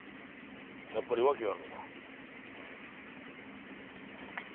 やっぱり訳があるのか。